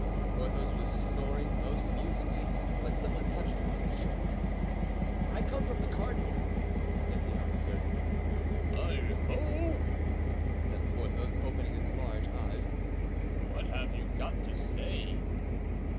Porthos was snoring most musically when some one touched him on the shoulder. "I come from the cardinal," said the officer. "Heigho!" said Porthos, opening his large eyes; "what have you got to say?"